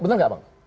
bener gak bang